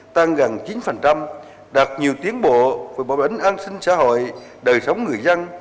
tăng gần chín đạt nhiều tiến bộ với bảo đánh an sinh xã hội đời sống người dân